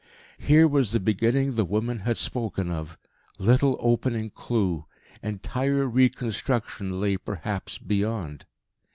Here was the beginning the woman had spoken of little opening clue. Entire reconstruction lay perhaps beyond.